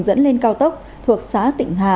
dẫn lên cao tốc thuộc xã tịnh hà